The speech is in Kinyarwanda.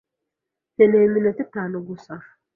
Nkeneye iminota itanu gusa.